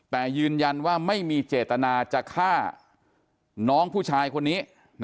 แต่ยืนยันว่าไม่มีเจตนาจะฆ่าน้องผู้ชายคนนี้